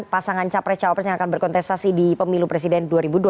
pasangan capres cawapres yang akan berkontestasi di pemilu presiden dua ribu dua puluh